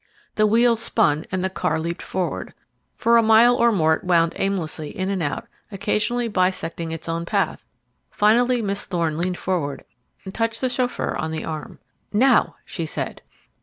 The wheels spun and the car leaped forward. For a mile or more it wound aimlessly in and out, occasionally bisecting its own path; finally Miss Thorne leaned forward and touched the chauffeur on the arm. "Now!" she said.